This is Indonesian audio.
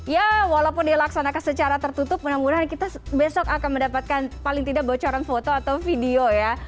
ya walaupun dilaksanakan secara tertutup mudah mudahan kita besok akan mendapatkan paling tidak bocoran foto atau video ya